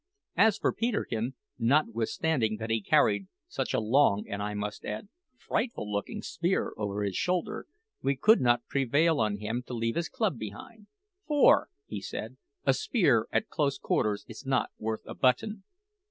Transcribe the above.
As for Peterkin, notwithstanding that he carried such a long and, I must add, frightful looking spear over his shoulder, we could not prevail on him to leave his club behind; "for," said he, "a spear at close quarters is not worth a button."